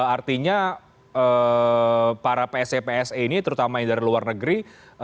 artinya para pse pse ini terutama yang dari luar negeri